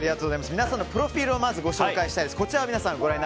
皆さんのプロフィールをまずご紹介したいです。